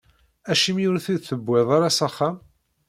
Acimi ur t-id-tewwiḍ ara s axxam?